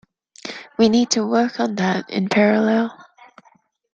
We need to work on that in parallel.